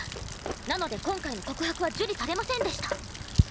なので今回の告白は受理されませんでした。